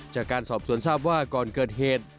จากการสอบสวนทราบว่าก่อนเกิดเหตุ